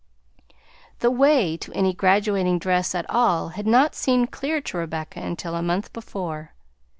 The way to any graduating dress at all had not seemed clear to Rebecca until a month before.